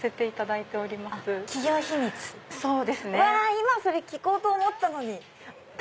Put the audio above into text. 今それ聞こうと思ったのに！